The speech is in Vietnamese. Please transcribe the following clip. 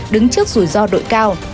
đứng trước rủi ro đội cao